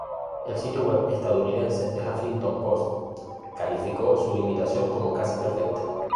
El sitio web estadounidense The Huffington Post calificó su imitación como "casi perfecta".